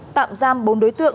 tạm giam bốn đối tượng